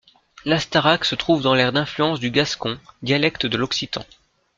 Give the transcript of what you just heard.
L'Astarac se trouve dans l'aire d'influence du gascon, dialecte de l'occitan.